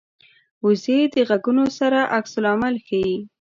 وزې د غږونو سره عکس العمل ښيي